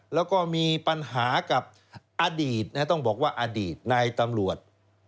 แล้วก็มีปัญหากับอดีตต้องบอกว่าอดีตนายตำรวจ